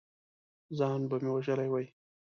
ځان به مې وژلی وي!